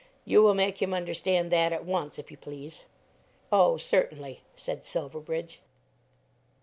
You will make him understand that at once, if you please." "Oh, certainly," said Silverbridge.